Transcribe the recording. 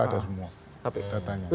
ada semua datanya